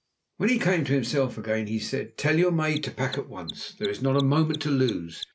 When he came to himself again he said, 'Tell your maid to pack at once. There is not a moment to lose.